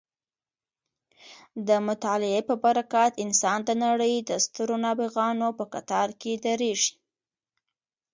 د مطالعې په برکت انسان د نړۍ د سترو نابغانو په کتار کې درېږي.